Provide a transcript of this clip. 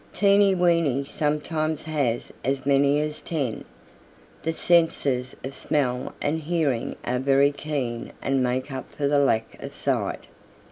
Teeny Weeny sometimes has as many as ten. The senses of smell and hearing are very keen and make up for the lack of sight.